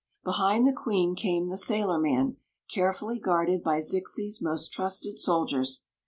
Behind the queen came the sailorman, carefully guarded by Zixi's most trusted soldiers.